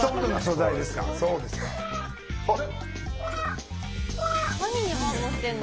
あっ？